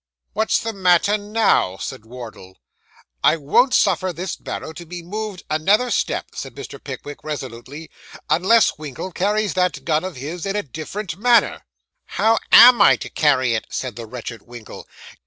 'What's the matter now?' said Wardle. 'I won't suffer this barrow to be moved another step,' said Mr. Pickwick, resolutely, 'unless Winkle carries that gun of his in a different manner.' 'How am I to carry it?' said the wretched Winkle.